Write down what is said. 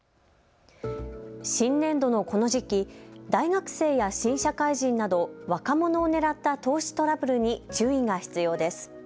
新年度のこの時期、大学生や新社会人など若者を狙った投資トラブルに注意が必要です。